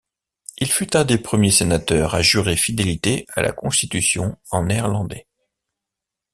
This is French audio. Il fut un des premiers sénateurs à jurer fidélité à la Constitution en néerlandais.